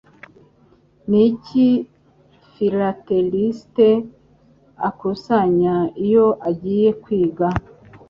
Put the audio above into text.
Niki Philateliste akusanya iyo agiye kwiga?